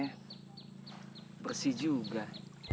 aku tidak peduli dia anak angkat siapa sekarang